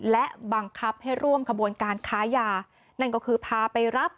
และบังคับให้ร่วมขบวนการค้ายานั่นก็คือพาไปรับ